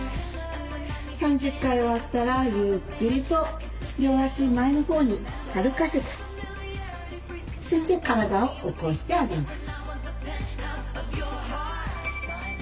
３０回終わったらゆっくりと両足前のほうに歩かせてそして体を起こしてあげます。